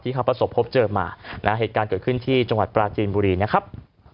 เขาประสบพบเจอมานะฮะเหตุการณ์เกิดขึ้นที่จังหวัดปราจีนบุรีนะครับ